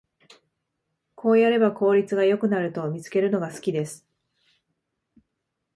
こうやれば効率が良くなると見つけるのが好きです